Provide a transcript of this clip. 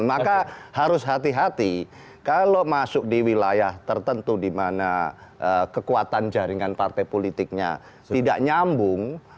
maka harus hati hati kalau masuk di wilayah tertentu di mana kekuatan jaringan partai politiknya tidak nyambung